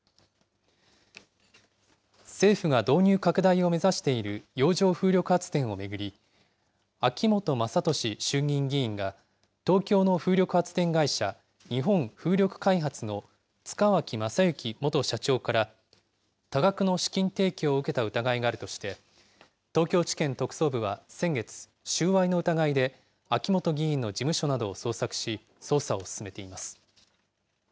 政府が導入拡大を目指している洋上風力発電を巡り、秋本真利衆議院議員が東京の風力発電会社、日本風力開発の塚脇正幸元社長から多額の資金提供を受けた疑いがあるとして、東京地検特捜部は先月、収賄の疑いで秋本議員の事務所などを捜索し、捜査を進めています。